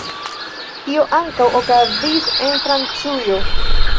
Tio ankaŭ okazis en Francujo.